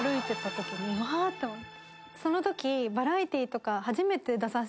そのとき。